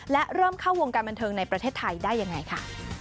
และเริ่มเข้าวงการบันเทิงในประเทศไทยได้ยังไงค่ะ